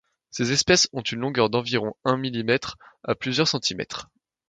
Ses espèces ont une longueur d'environ un millimètre à plusieurs centimètres.